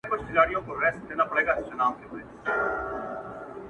مُلا بیا ویل زه خدای یمه ساتلی!.